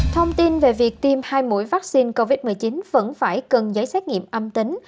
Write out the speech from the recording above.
thông tin về việc tiêm hai mũi vaccine covid một mươi chín vẫn phải cần giấy xét nghiệm âm tính